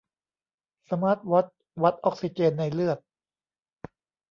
สมาร์ตวอตช์วัดออกซิเจนในเลือด